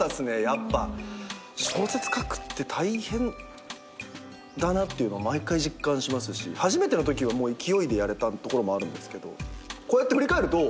小説書くって大変だなっていうの毎回実感しますし初めてのときはもう勢いでやれたところもあるんですけどこうやって振り返ると。